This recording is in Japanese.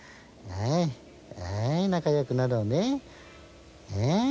仲良くなろうね。